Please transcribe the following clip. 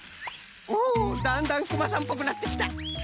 おおだんだんクマさんっぽくなってきた！